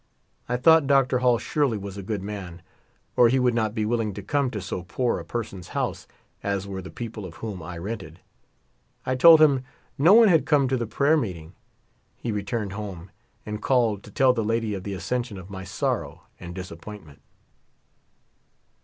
I thought Dr. Hall surelj' was a good man, or he would not be willing to come to so poor a person's house as were the people of whom I rented. I told him no one had come to the prayer meeting. He returned home, and called to tell the lady of the Ascen sion of my sorrow and disappointment.